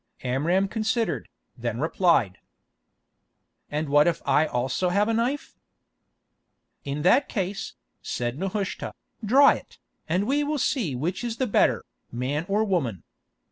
Amram considered, then replied: "And what if I also have a knife?" "In that case," said Nehushta, "draw it, and we will see which is the better, man or woman.